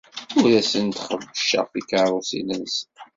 Ur asen-xebbceɣ tikeṛṛusin-nsen.